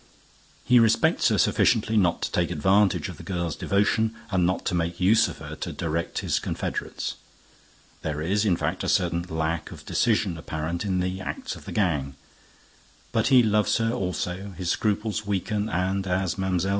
He respects her sufficiently not to take advantage of the girl's devotion and not to make use of her to direct his confederates. There is, in fact, a certain lack of decision apparent in the acts of the gang. But he loves her also, his scruples weaken and, as Mlle.